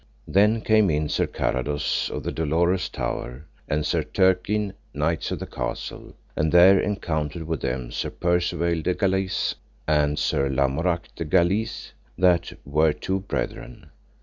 Then came in Sir Carados of the dolorous tower, and Sir Turquine, knights of the castle; and there encountered with them Sir Percivale de Galis and Sir Lamorak de Galis, that were two brethren.